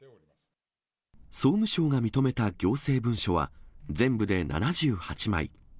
総務省が認めた行政文書は、全部で７８枚。